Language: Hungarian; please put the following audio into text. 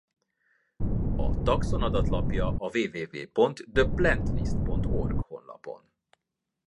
A taxon adatlapja a www.theplantlist.org honlapon.